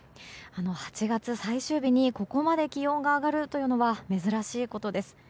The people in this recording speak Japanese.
８月最終日にここまで気温が上がるというのは珍しいことです。